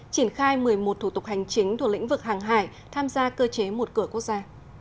triển khai một mươi một thủ tục hành chính thuộc lĩnh vực hàng hải tham gia cơ chế một cửa quốc gia